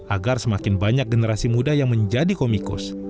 agar semakin banyak generasi muda yang menjadi komikus